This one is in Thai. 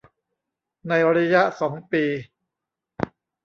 ในระยะสองปี